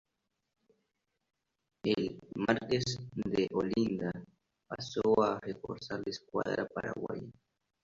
El "Marques de Olinda" pasó a reforzar la escuadra paraguaya.